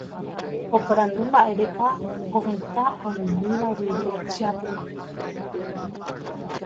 Oporandu mba'érepa ovetã oĩmíva guive ijapu'a.